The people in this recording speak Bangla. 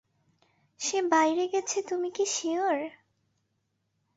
সে বাইরে গেছে তুমি কি সিওর?